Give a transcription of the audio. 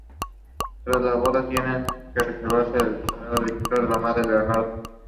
Tras la boda, tienen que resolver el problema de la difunta madre de Leonardo.